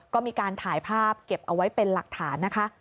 ก็มีการถ่ายภาพเก็บเอาไว้เป็นหลักฐานนะคะ